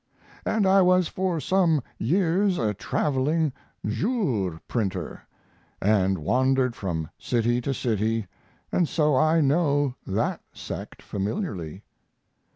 And I was for some years a traveling "jour" printer, and wandered from city to city and so I know that sect familiarly.